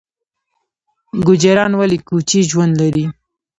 ګوجران ولې کوچي ژوند لري؟